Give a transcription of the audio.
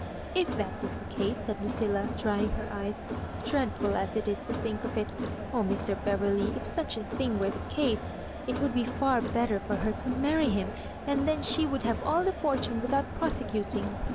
"If that was the case," said Lucilla, drying her eyes — "dreadful as it is to think of it — oh, Mr. Beverley, if such a thing were the case — it would be far better for her to marry him, and then she would have all the fortune without prosecuting.